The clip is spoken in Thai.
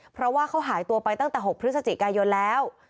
เพราะว่าเขาหายตัวไปตั้งแต่๖พฤศจิกายนแล้ว